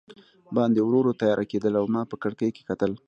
باندې ورو ورو تیاره کېدل او ما په کړکۍ کې کتل.